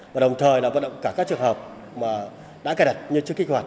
và đồng thời vận động cả các trường hợp đã cài đặt như chưa kích hoạt